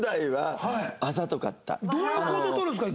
どういう行動を取るんですか？